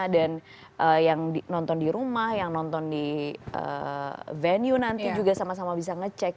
dan yang nonton di rumah yang nonton di venue nanti juga sama sama bisa ngecek